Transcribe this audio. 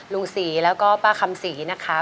ลุงศรีแล้วก็ป้าคำศรีนะคะ